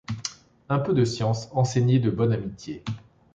Un peu de science, enseignée de bonne amitié.